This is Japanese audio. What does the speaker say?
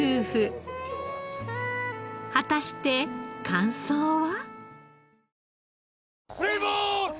果たして感想は？